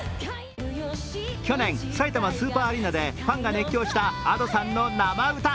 去年、さいたまスーパーアリーナでファンが熱狂したＡｄｏさんの生歌。